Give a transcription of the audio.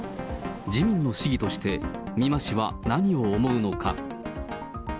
自民の市議として、美馬氏は何を思うのか。